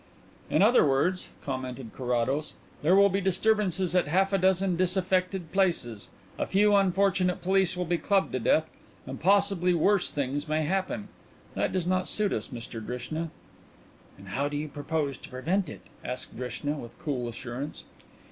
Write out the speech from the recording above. "In other words," commented Carrados, "there will be disturbances at half a dozen disaffected places, a few unfortunate police will be clubbed to death, and possibly worse things may happen. That does not suit us, Mr Drishna." "And how do you propose to prevent it?" asked Drishna, with cool assurance.